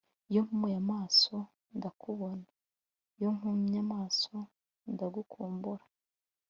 iyo mpumuye amaso, ndakubona iyo mpumuye amaso, ndagukumbuye